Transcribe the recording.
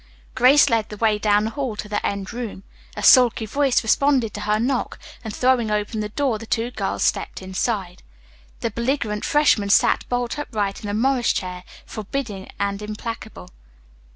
Grace led the way down the hall to the end room. A sulky voice responded to her knock, and throwing open the door the two girls stepped inside. The belligerent freshman sat bolt upright in a Morris chair, forbidding and implacable.